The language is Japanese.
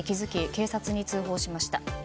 警察に通報しました。